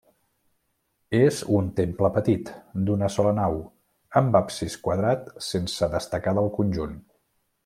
És un temple petit, d'una sola nau, amb absis quadrat sense destacar del conjunt.